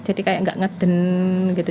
jadi kayak nggak ngeden gitu